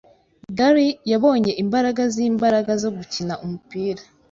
Gary yabonye imbaraga zimbaraga zo gukina umupira.